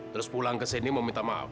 terus pulang ke sini meminta maaf